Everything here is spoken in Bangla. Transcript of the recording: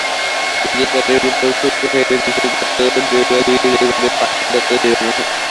বিজয়গড়ের উপরে খুড়াসাহেবের বিশ্বাস যত দৃঢ়, বিজয়গড়ের পাষাণ তত দৃঢ় নহে।